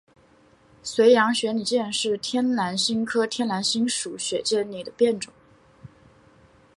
绥阳雪里见是天南星科天南星属雪里见的变种。